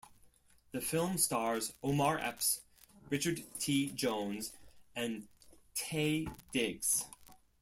The film stars Omar Epps, Richard T. Jones and Taye Diggs.